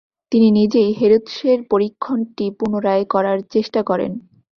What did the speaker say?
তিনি নিজেই হেরৎসের পরীক্ষণটি পুনরায় করার চেষ্টা করেন।